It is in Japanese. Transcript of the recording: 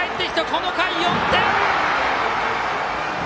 この回、４点！